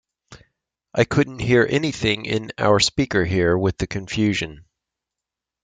I couldn't hear anything in our speaker here, with the confusion.